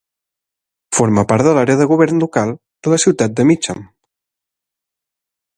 Forma part de l'àrea de govern local de la ciutat de Mitcham.